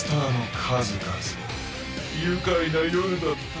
愉快な夜だった。